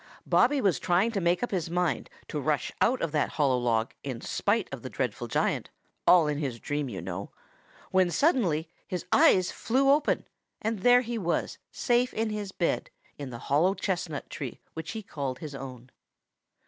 Bobby was trying to make up his mind to rush out of that hollow log in spite of the dreadful giant, all in his dream you know, when suddenly his eyes flew open and there he was safe in his bed in the hollow chestnut tree which he called his own.